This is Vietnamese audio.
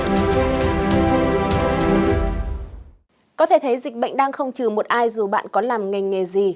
các bạn có thể thấy dịch bệnh đang không trừ một ai dù bạn có làm nghề nghề gì